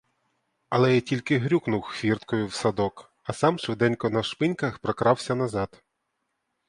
Але я тільки грюкнув хвірткою в садок, а сам швиденько навшпиньках прокрався назад.